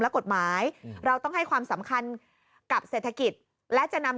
และกฎหมายเราต้องให้ความสำคัญกับเศรษฐกิจและจะนำ